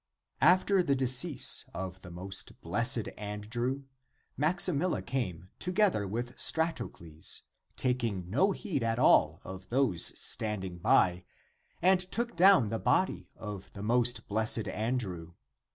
After the decease of the most blessed An ACTS OF ANDREW 221 drew <Maximilla came> together with Stratocles, taking no heed at all of those standing by, <and took down the body> of the most blessed Andrew.